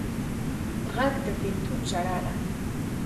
غږ د بېلتون ژړا ده